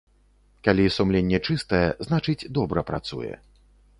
Калі сумленне чыстае, значыць, добра працуе.